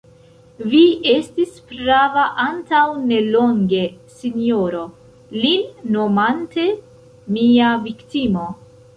Vi estis prava antaŭ ne longe, sinjoro, lin nomante: mia viktimo.